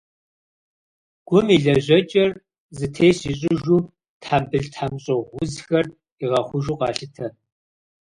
Гум и лэжьэкӏэр зэтес ищӏыжу, тхьэмбыл-тхьэмщӏыгъу узхэр игъэхъужу къалъытэ.